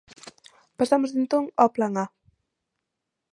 Pasamos entón ao plan A.